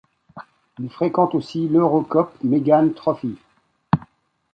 Il fréquente aussi l'Eurocup Mégane Trophy.